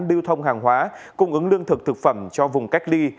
lưu thông hàng hóa cung ứng lương thực thực phẩm cho vùng cách ly